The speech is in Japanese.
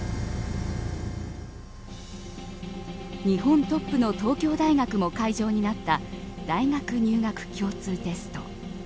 日本トップの東京大学も会場になった大学入学共通テスト。